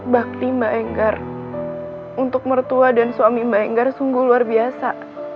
bakti mbak enggar untuk mertua dan suami mbak enggar sungguh luar biasa